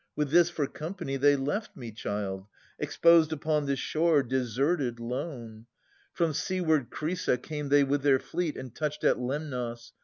With this for company they left me, child ! Exposed upon this shore, deserted, lone. From seaward Chrysa came they with their fleet And touched at Lemnos.